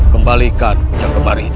kembalikan kucang kembar itu